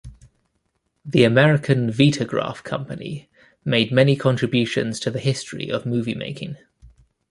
The American Vitagraph Company made many contributions to the history of movie-making.